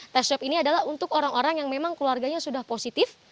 tes swab ini adalah untuk orang orang yang memang keluarganya sudah positif